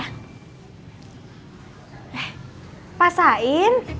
eh pak sain